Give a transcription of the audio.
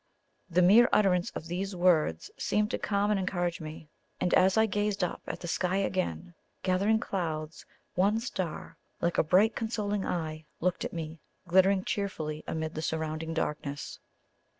The mere utterance of these words seemed to calm and encourage me; and as I gazed up at the sky again, with its gathering clouds, one star, like a bright consoling eye, looked at me, glittering cheerfully amid the surrounding darkness.